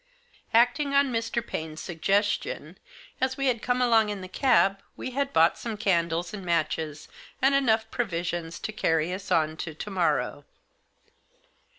Acting on Mr. Paine's suggestion, as we had come along in the cab we had bought some candles and matches, and enough provisions to carry us on to to morrow.